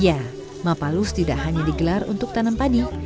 ya mapalus tidak hanya digelar untuk tanam padi